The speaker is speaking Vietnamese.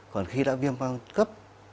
còn khi đã viêm gan cấp